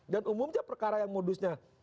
dan umumnya perkara yang modusnya